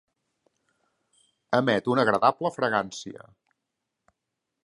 Emet una agradable fragància.